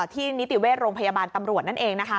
นิติเวชโรงพยาบาลตำรวจนั่นเองนะคะ